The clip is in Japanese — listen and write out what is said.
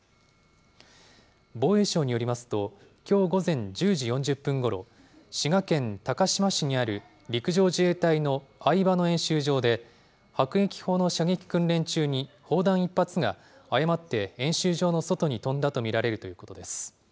防衛省によりますと、きょう午前１０時４０分ごろ、滋賀県高島市にある陸上自衛隊の饗庭野演習場で、迫撃砲の射撃訓練中に砲弾１発が、誤って演習場の外に飛んだと見られるということです。